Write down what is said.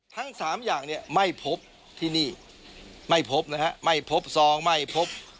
ทั้งสามอย่างเนี่ยไม่พบที่นี่ไม่พบนะฮะไม่พบซองไม่พบ